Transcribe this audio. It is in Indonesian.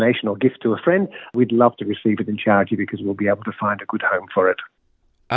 kami ingin menerimanya kepada syarikat karena kita akan bisa menemukan rumah yang baik untuknya